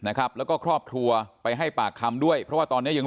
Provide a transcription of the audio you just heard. นะครับแล้วก็ครอบครัวไปให้ปากคำด้วยเพราะว่าตอนเนี้ยยัง